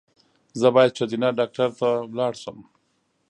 زه باید ښځېنه ډاکټر ته ولاړ شم